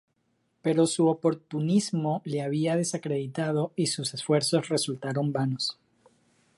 Pero su oportunismo le había desacreditado y sus esfuerzos resultaron vanos.